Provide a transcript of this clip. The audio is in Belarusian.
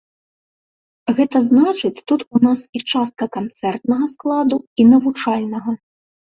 Гэта значыць тут у нас і частка канцэртнага складу, і навучальнага.